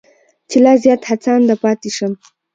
چې لا زیات هڅانده پاتې شم.